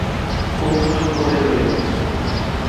কুমু চুপ করে রইল।